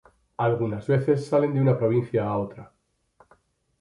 Algunas veces salen de una Provincia a otra.